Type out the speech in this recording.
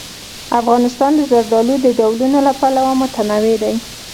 افغانستان د زردالو د ډولونو له پلوه متنوع دی.